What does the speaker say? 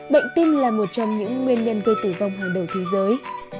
bệnh tinh là một trong những nguyên nhân gây tử vong hàng đầu thế giới